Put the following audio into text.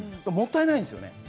もったいないですよね。